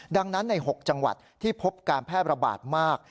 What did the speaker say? ดังนั้นใน๖จังหวัดที่พบการแพร่ระบาดมาก